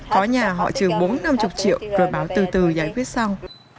có nhà họ trừ bốn năm mươi triệu rồi bảo từ từ giải quyết sau